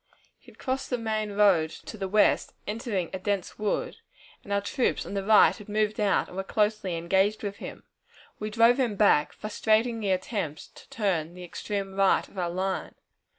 He had crossed the main road to the west, entering a dense wood, and our troops on the right had moved out and were closely engaged with him. We drove him back, frustrating the attempt to turn the extreme right of our line.